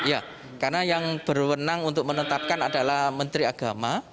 ya karena yang berwenang untuk menetapkan adalah menteri agama